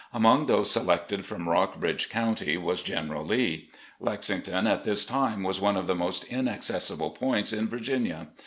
Among those selected from Rockbridge County was General Lee. Lexington at this time was one of the most inaccessible points in Virginia.